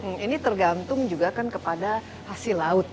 hmm ini tergantung juga kan kepada hasil laut